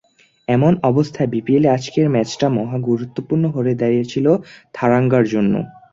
এমন অবস্থায় বিপিএলে আজকের ম্যাচটা মহা গুরুত্বপূর্ণ হয়ে দাঁড়িয়েছিল থারাঙ্গার জন্য।